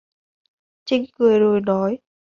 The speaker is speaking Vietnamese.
Trinh Cười rồi nói